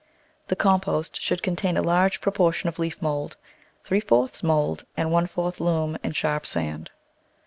The compost should contain a large proportion of leaf mould — three fourths mould and one fourth loam and sharp sand.